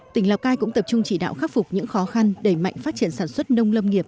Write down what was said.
tỉnh lào cai cũng tập trung chỉ đạo khắc phục những khó khăn đẩy mạnh phát triển sản xuất nông lâm nghiệp